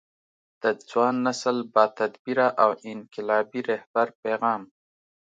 د ځوان نسل با تدبیره او انقلابي رهبر پیغام